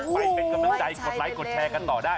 ไปเป็นกำลังใจกดไลค์กดแชร์กันต่อได้